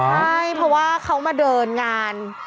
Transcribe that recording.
ใช่เพราะว่าเขามาเดินงาน